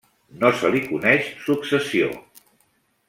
No se li coneix successió.